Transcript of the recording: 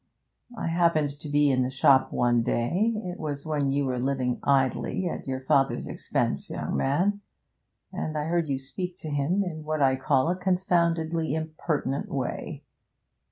I happened to be in the shop one day it was when you were living idle at your father's expense, young man and I heard you speak to him in what I call a confoundedly impertinent way.